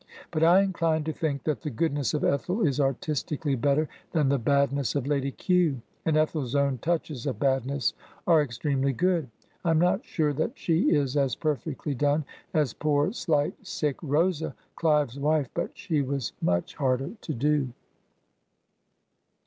But I incline to think that the goodness of Ethel is artistically bet ter than the badness of Lady Kew; and Ethel's own touches of badness are extremely good. I am not sure that she is as perfectly done as poor, sHght, sick Rosa, Clive's wife, but she was much harder to do.